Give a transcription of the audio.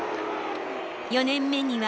４年目には。